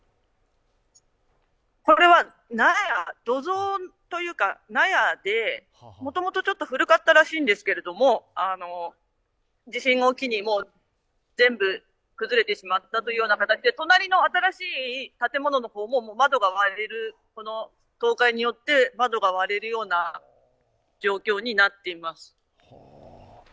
これは納屋、土蔵というか納屋でもともと古かったらしいんですけれども、地震が起きて、全部崩れてしまったというような形で隣の新しい建物の方も窓が割れる、この倒壊によって窓が割れるような状況になっています。